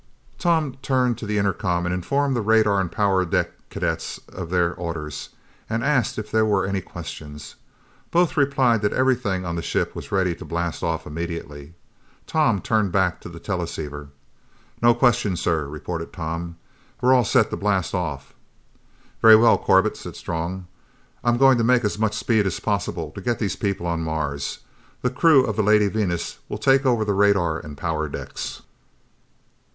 Tom turned to the intercom and informed the radar and power deck cadets of their orders, and asked if there were any questions. Both replied that everything on the ship was ready to blast off immediately. Tom turned back to the teleceiver. "No questions, sir," reported Tom. "We're all set to blast off." "Very well, Corbett," said Strong. "I'm going to make as much speed as possible to get these people on Mars. The crew of the Lady Venus will take over the radar and power decks."